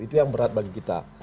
itu yang berat bagi kita